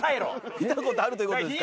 見たことあるということですから。